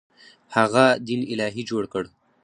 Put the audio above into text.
هغه دین الهي جوړ کړ.